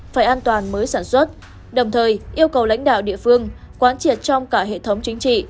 phải an toàn mới sản xuất đồng thời yêu cầu lãnh đạo địa phương quán triệt trong cả hệ thống chính trị